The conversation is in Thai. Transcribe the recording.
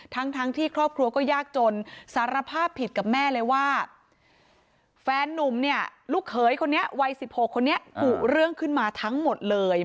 ทั้งทั้งที่ครอบครัวก็ยากจนสารภาพผิดกับแม่เลยว่าแฟนนุ่มเนี่ยลูกเขยคนนี้วัย๑๖คนนี้กุเรื่องขึ้นมาทั้งหมดเลย